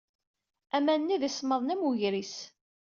Aman-nni d isemmaḍen am wegris.